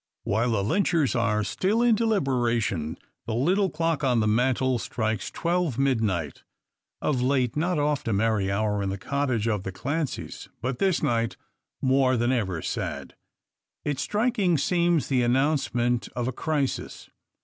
While the Lynchers are still in deliberation, the little clock on the mantel strikes twelve, midnight; of late, not oft a merry hour in the cottage of the Clancys; but this night more than ever sad. Its striking seems the announcement of a crisis.